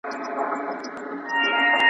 ګاونډیانو به رسمي غونډي سمبالولې.